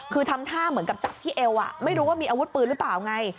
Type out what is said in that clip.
คือทำท่าเหมือนกับจับที่เอวไม่รู้ว่ามีอาวุธปืนหรือเปล่าไง